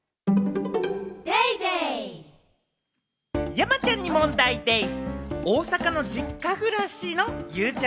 山ちゃんに問題でぃす！